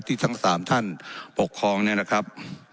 ทั้ง๓ท่านปกครองเนี่ยนะครับ